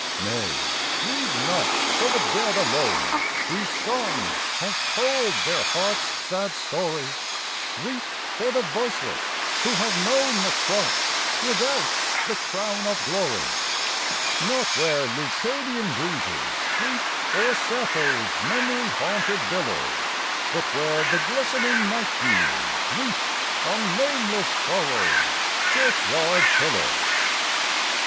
Nay, grieve not for the dead alone Whose song has told their hearts' sad story, Weep for the voiceless, who have known The cross without the crown of glory Not where Leucadian breezes sweep O'er Sappho's memory haunted billow, But where the glistening night dews weep On nameless sorrow's churchyard pillow.